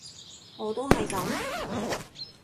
我都係噉